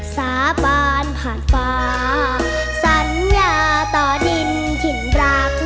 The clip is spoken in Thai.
สาบานผ่านฟ้าสัญญาต่อดินถิ่นรัก